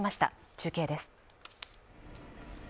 中継です。